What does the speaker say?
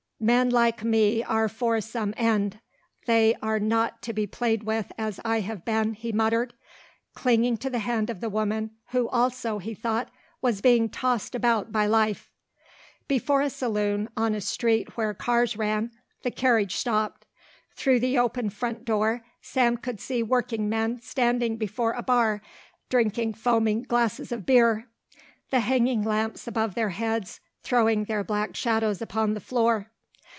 "Men like me are for some end. They are not to be played with as I have been," he muttered, clinging to the hand of the woman, who, also, he thought, was being tossed about by life. Before a saloon, on a street where cars ran, the carriage stopped. Through the open front door Sam could see working men standing before a bar drinking foaming glasses of beer, the hanging lamps above their heads throwing their black shadows upon the floor.